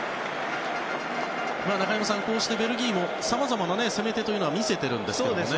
中山さん、こうしてベルギーもさまざまな攻め手というのは見せてるんですけどね。